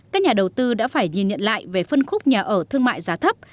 các nhà đầu tư đã phải nhìn nhận lại về phân khúc nhà ở thương mại giá thấp